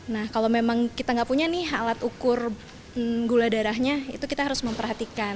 nah kalau memang kita nggak punya nih alat ukur gula darahnya itu kita harus memperhatikan